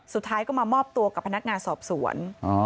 สุดท้ายก็มามอบตัวกับพนักงานสอบสวน